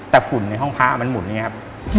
แต่ฝุ่นในห้องพระมันหุ่นอย่างนี้ครับ